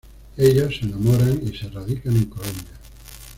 Ellos se enamoran y se radican en Colombia.